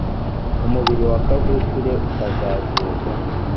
umubiri wa kavukire ukazazurwa